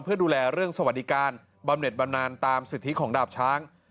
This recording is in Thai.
เพื่อดูแลเรื่องสวัสดิการบำเน็ตบำนานตามสิทธิของดาบช้าง